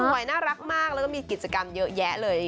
น่ารักมากแล้วก็มีกิจกรรมเยอะแยะเลย